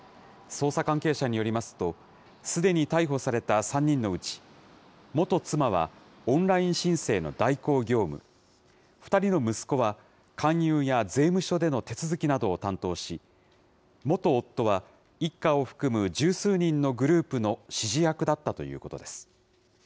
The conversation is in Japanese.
捜査関係者によりますと、すでに逮捕された３人のうち、元妻は、オンライン申請の代行業務、２人の息子は勧誘や税務署での手続きなどを担当し、元夫は、一家を含む十数人のグループの指示役だったということです。